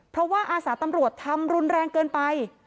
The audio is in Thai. เพราะว่าอาสาตำรวจทำรุนแรงเกินไป